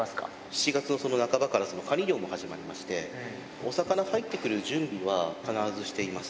７月の半ばからカニ漁も始まりまして、お魚入ってくる準備は必ずしています。